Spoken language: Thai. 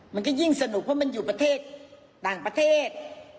มันก็ยิ่งสนุกเพราะมันอยู่ประเทศต่างประเทศ